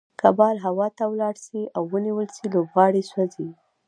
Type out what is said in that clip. که بال هوا ته ولاړ سي او ونيول سي؛ لوبغاړی سوځي.